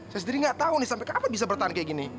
saya sendiri nggak tahu nih sampai kapan bisa bertahan kayak gini